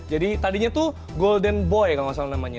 jadi tadinya tuh golden boy kalau nggak salah namanya